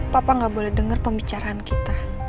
papa nggak boleh dengar pembicaraan kita